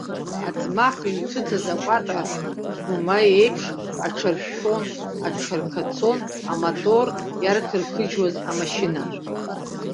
Аӡмах иҩҭыҵыз акәата гәыма еиԥш аҽаршәшәон, аҽарқацон, аматор иарқыџьқыџьуаз амашьына.